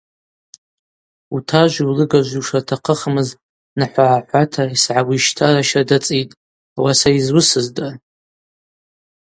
Утажви улыгажви ушыртахъыхмыз нахӏва-гӏахӏвата йсагӏауищтара щарда цӏитӏ, ауаса йызуысызда.